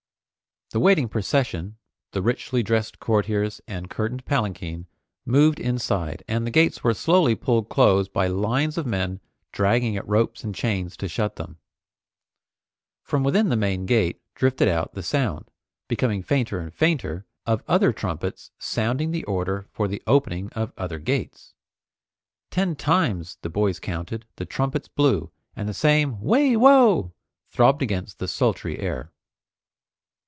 The waiting procession, the richly dressed courtiers and curtained palanquin, moved inside and the gates were slowly pulled close by lines of men dragging at ropes and chains to shut them. From within the main gate drifted out the sound, becoming fainter and fainter, of other trumpets sounding the order for the opening of other gates. Ten times, the boys counted, the trumpets blew, and the same "Wai! Wo!" throbbed against the sultry air.